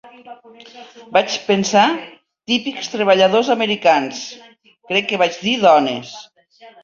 Vaig pensar 'típics treballadors americans', crec que vaig dir 'dones'.